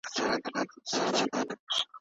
زده کوونکي د ښوونکي خبرو ته پام کوي.